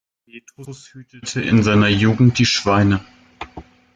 Petrus hütete in seiner Jugend die Schweine.